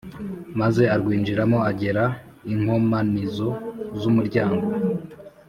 Maze arwinjiramo agera inkomanizo z’ umuryango.